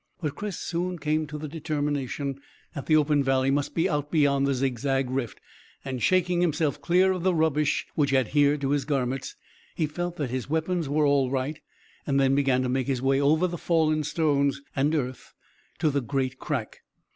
But Chris soon came to the determination that the open valley must be out beyond the zigzag rift, and shaking himself clear of the rubbish which adhered to his garments, he felt that his weapons were all right, and then began to make his way over the fallen stones and earth to the great crack.